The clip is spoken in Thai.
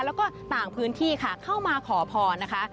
แล้วก็ต่างพื้นที่ค่ะเข้ามาขอพรนะคะ